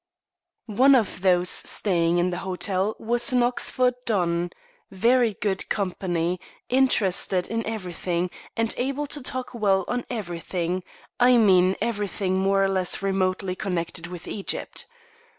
One of those staying in the hotel was an Oxford don, very good company, interested in everything, and able to talk well on everything I mean everything more or less remotely connected with Egypt.